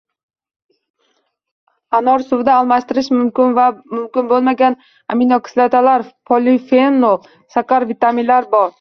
Anor suvida almashtirish mumkin va mumkin bo‘lmagan aminokislotalar, polifenol, shakar, vitaminlar bor.